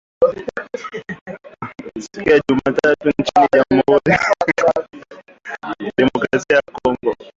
siku ya Jumatatu nchini Jamhuri ya Kidemokrasi ya Kongo